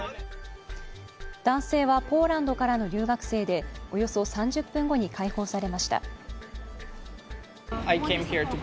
男性はポーランドからの留学生でおよそ３０分後に解放されました。